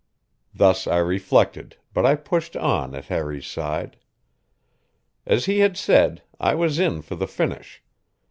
Thus I reflected, but I pushed on at Harry's side. As he had said, I was in for the finish.